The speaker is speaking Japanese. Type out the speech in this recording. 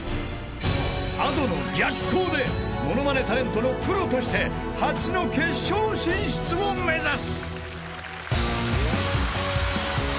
［ものまねタレントのプロとして初の決勝進出を目指す！］